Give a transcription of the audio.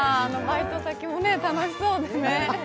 バイト先も楽しそうでね。